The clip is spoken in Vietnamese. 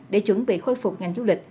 để chuẩn bị khôi phục ngành du lịch